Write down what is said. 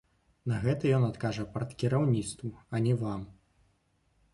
На гэта ён адкажа парткіраўніцтву, а не вам!